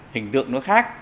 hình tượng nó khác